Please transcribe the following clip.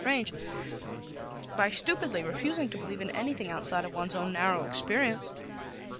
strange, by stupidly refusing to believe in anything outside of one's own narrow experience.